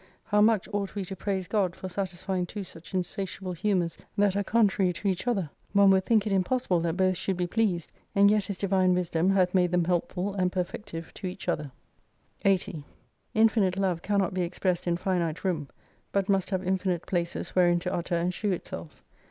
How much ought we to praise God, for satisfying two such insatiable humours that are contrary to each other ! One would think it impossible that both should be pleased, and yet His Divine Wisdom hath made them helpful and perfective to each other. 135 80 Infinite Love cannot be expressed in finite room : but must have infinite places wherein to utter and shew itself.